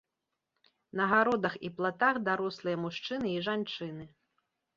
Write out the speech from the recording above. На гародах і платах дарослыя мужчыны і жанчыны.